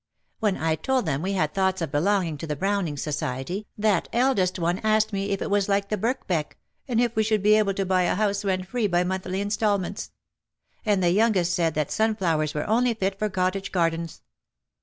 When I told them we had thoughts of belonging to the Browning Society, that eldest one asked me if it was like the Birkbeck, and if we should be able to buy a house rent free by monthly instalments. And the youngest said that sun flowers were only fit for cottage gardens."